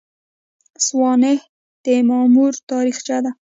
سوانح د مامور تاریخچه ده